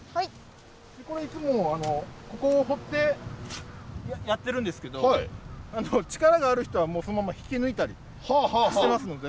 ここいつもここを掘ってやってるんですけど力がある人はもうそのまま引き抜いたりしてますので。